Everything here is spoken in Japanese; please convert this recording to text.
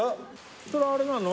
それあれなの？